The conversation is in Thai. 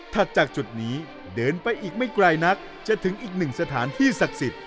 จากจุดนี้เดินไปอีกไม่ไกลนักจะถึงอีกหนึ่งสถานที่ศักดิ์สิทธิ